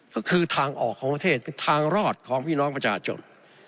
ก็คือทางออกของประเทศเป็นทางรอดของพี่น้องประชาชน